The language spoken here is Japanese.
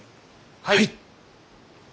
はい！